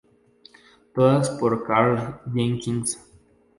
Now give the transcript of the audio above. Todas por Karl Jenkins.